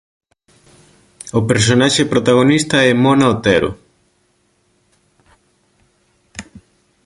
O personaxe protagonista é Mona Otero.